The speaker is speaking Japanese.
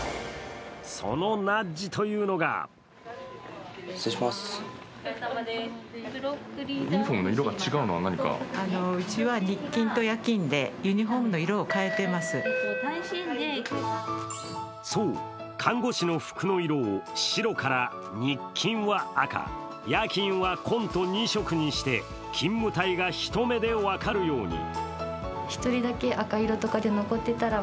そのナッジというのがそう、看護師の服の色を白から、日勤は赤、夜勤は紺と２色にして、勤務帯がひと目で分かるように。